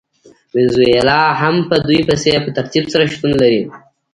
وینزویلا هم په دوی پسې په ترتیب سره شتون لري.